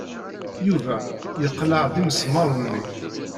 Yuba yeqleɛ-d imesmaṛen-nni.